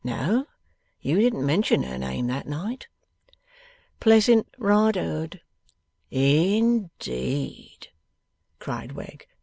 'No, you didn't mention her name that night.' 'Pleasant Riderhood.' 'In deed!' cried Wegg.